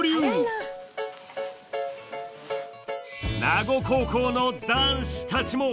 名護高校の男子たちも。